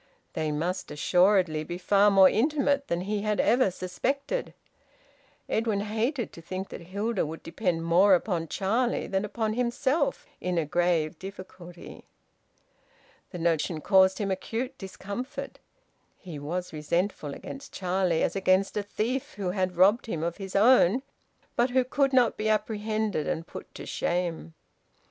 They must assuredly be far more intimate than he had ever suspected. Edwin hated to think that Hilda would depend more upon Charlie than upon himself in a grave difficulty. The notion caused him acute discomfort. He was resentful against Charlie as against a thief who had robbed him of his own, but who could not be apprehended and put to shame.